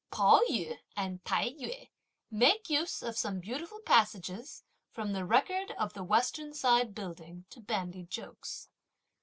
Pao yü and Tai yü make use of some beautiful passages from the Record of the Western Side building to bandy jokes.